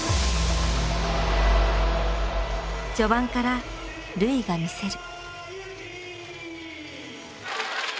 序盤から瑠唯がみせる。